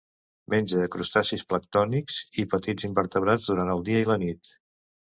Menja crustacis planctònics i petits invertebrats durant el dia i la nit.